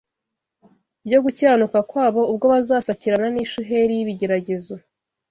byo gukiranuka kwabo ubwo bazasakirana n’ishuheri y’ibigeragezo